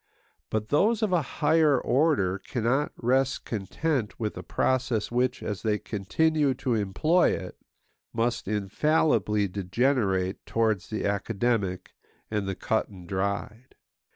But those of a higher order cannot rest content with a process which, as they continue to employ it, must infallibly degenerate towards the academic and the cut and dried.